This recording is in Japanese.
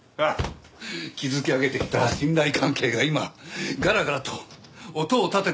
築き上げてきた信頼関係が今ガラガラと音を立てて崩れ去っていく。